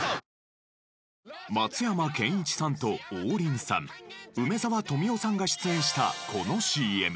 松山ケンイチさんと王林さん梅沢富美男さんが出演したこのＣＭ。